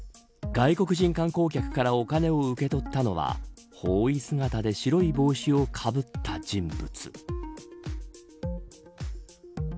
外国人観光客からお金を受け取ったのは法衣姿で白い帽子をかぶった人物。